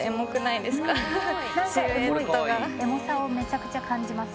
エモさをめちゃくちゃ感じます。